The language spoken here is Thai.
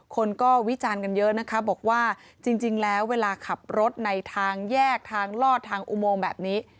คนก็วิจารณ์กันเยอะนะคะบอกว่าจริงแล้วเวลาขับรถในทางแยกทางลอดทางอุโมงแบบนี้